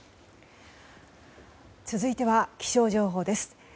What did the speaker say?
続いては、気象情報です。